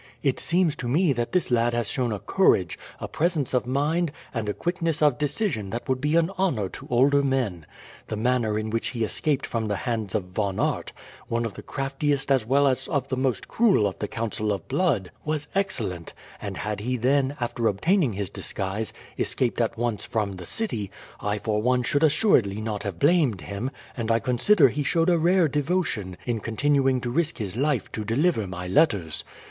"It seems to me that this lad has shown a courage, a presence of mind, and a quickness of decision that would be an honour to older men. The manner in which he escaped from the hands of Von Aert, one of the craftiest as well as of the most cruel of the Council of Blood, was excellent; and had he then, after obtaining his disguise, escaped at once from the city, I for one should assuredly not have blamed him, and I consider he showed a rare devotion in continuing to risk his life to deliver my letters.